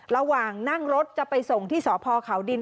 ระหว่างนั่งรถจะไปส่งที่สพเขาดิน